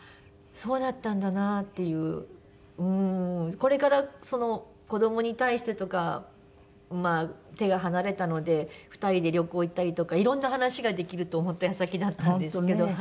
これから子どもに対してとかまあ手が離れたので２人で旅行行ったりとかいろんな話ができると思った矢先だったんですけど。